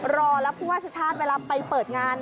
รอแล้วผู้ว่าชัดเวลาไปเปิดงาน